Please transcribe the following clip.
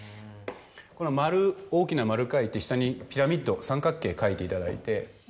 この丸大きな丸描いて下にピラミッド三角形描いていただいて。